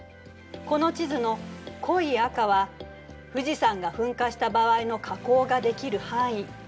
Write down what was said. この地図の濃い赤は富士山が噴火した場合の火口が出来る範囲。